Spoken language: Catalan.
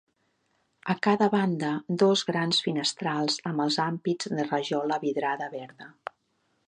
A cada banda, dos grans finestrals amb els ampits de rajola vidrada verda.